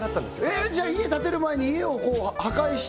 えーっじゃあ家建てる前に家を破壊して？